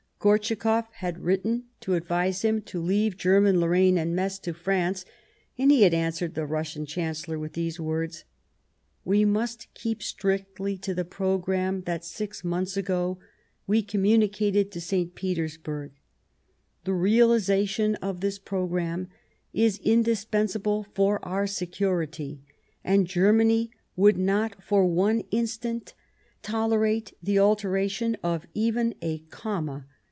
Gortschakoff had written to 149 Bismarck advise him to leave German Lorraine and Metz to France, and he had answered the Russian Chancellor in these words :" We must keep strictly to the programme that, six months ago, we communicated to St. Petersburg, le realization of this programme is indispensable for our security, and Germany would not for one instant tolerate the alteration of even a comma.